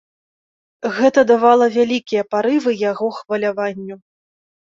Гэта давала вялікія парывы яго хваляванню.